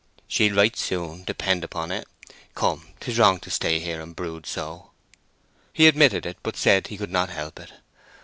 "She'll write soon, depend upon't. Come, 'tis wrong to stay here and brood so." He admitted it, but said he could not help it.